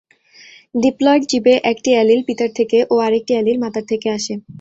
Diploid জীবে, একটি allele পিতার থেকে ও আরেকটি অ্যালিল মাতার থেকে আসে।